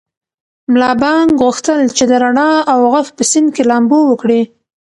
ملا بانګ غوښتل چې د رڼا او غږ په سیند کې لامبو وکړي.